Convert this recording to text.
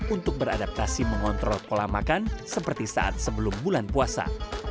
untuk beradaptasi mengontrol pola makan seperti saat sebelum bulan puasa